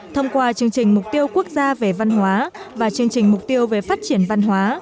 thông qua chương trình mục tiêu quốc gia về văn hóa và chương trình mục tiêu về phát triển văn hóa